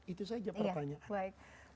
itu saja pertanyaan